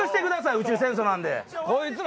宇宙戦争なんで。来た！